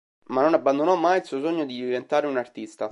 Ma non abbandonò mai il suo sogno di diventare un artista.